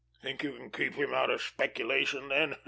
Think you can keep him out of speculation then?